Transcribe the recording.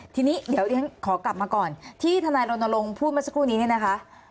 ทีนี้เดี๋ยวยังขอกลับมาก่อนที่ธนายรณรงค์พูดมาสักครู่นี้นะคะ